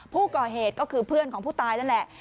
ผู้ก่อเหตุก็คือเพื่อนของผู้ตายนั่นแหละ